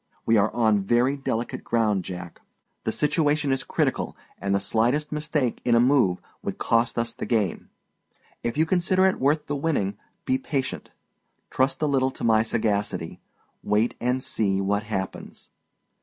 We are on very delicate ground, Jack; the situation is critical, and the slightest mistake in a move would cost us the game. If you consider it worth the winning, be patient. Trust a little to my sagacity. Wait and see what happens.